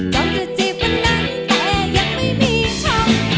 จ้องจะจีบวันนั้นแต่ยังไม่มีชอบ